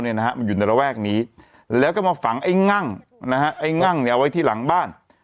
มันอยู่ในระแวกนี้แล้วก็มาฝังไอ้งั่งนะฮะไอ้งั่งเนี่ยไว้ที่หลังบ้าน